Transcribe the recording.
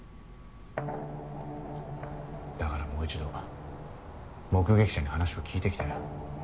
だからもう一度目撃者に話を聞いてきたよ。